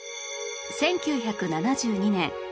１９７２年